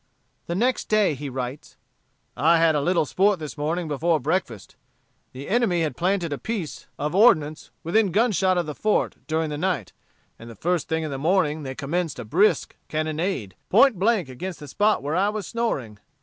The next day he writes: "I had a little sport this morning before breakfast. The enemy had planted a piece of ordnance within gunshot of the fort during the night, and the first thing in the morning they commenced a brisk cannonade, point blank against the spot where I was snoring.